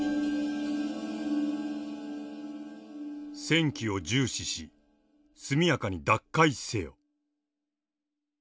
「戦機を重視し速やかに奪回せよ」。